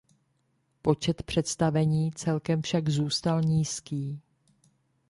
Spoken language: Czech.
Počet představení celkem však zůstal nízký.